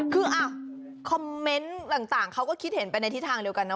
คือคอมเมนต์ต่างเขาก็คิดเห็นไปในทิศทางเดียวกันนะ